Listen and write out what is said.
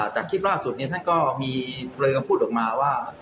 จากคลิปล่าสุดท่านก็มีคำพูดออกมาว่า